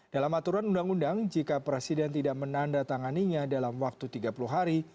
dalam aturan undang undang jika presiden tidak menandatanganinya dalam waktu tiga puluh hari